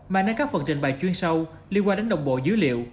mà nơi các phần trình bày chuyên sâu liên quan đến đồng bộ dữ liệu